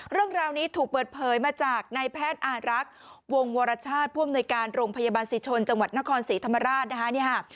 เรื่องราวนี้ถูกเปิดเผยมาจากในแพทย์อารักษ์วงวรชาติผู้อำนวยการโรงพยาบาลศิชนจังหวัดนครศรีธรรมราชนะคะ